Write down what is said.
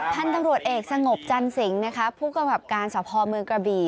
ท่านตำรวจเอกสงบจันสิงฯผู้กระบบการสภอมือกระบี่